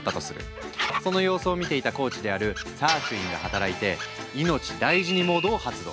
その様子を見ていたコーチであるサーチュインが働いて「いのちだいじにモード」を発動。